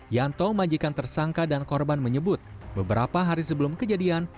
yanto majikan tersangka dan korban menyebut beberapa hari sebelum kejadian